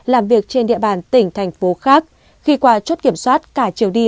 làm việc trên địa bàn tỉnh thành phố khác khi qua chốt kiểm soát cả chiều đi